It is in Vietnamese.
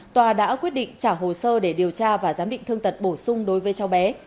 tòa đã quyết định trả hồ sơ để điều tra và giám định thương tật bổ sung đối với cháu bé